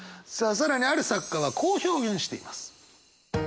更にある作家はこう表現しています。